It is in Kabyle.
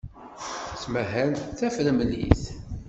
Tettmahal d tafremlit.